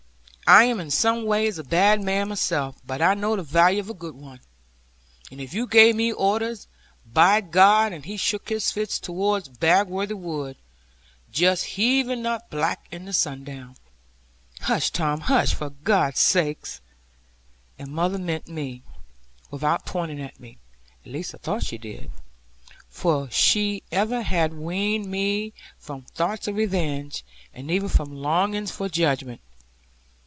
I am in some ways a bad man myself; but I know the value of a good one; and if you gave me orders, by God ' And he shook his fists towards Bagworthy Wood, just heaving up black in the sundown. 'Hush, Tom, hush, for God's sake!' And mother meant me, without pointing at me; at least I thought she did. For she ever had weaned me from thoughts of revenge, and even from longings for judgment.